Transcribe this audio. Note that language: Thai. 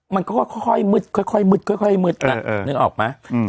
มันก็ค่อยค่อยมืดค่อยค่อยมืดค่อยค่อยมืดอ่ะเออเออนึกออกมาอืม